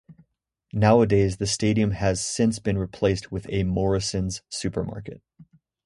Nowadays the stadium has since been replaced with a Morrisons supermarket.